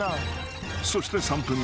［そして］